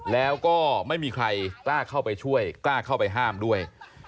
แล้วก็ไม่มีใครกล้าเข้าไปช่วยกล้าเข้าไปห้ามด้วย